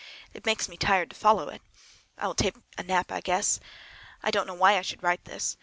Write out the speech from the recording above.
It makes me tired to follow it. I will take a nap, I guess. I don't know why I should write this.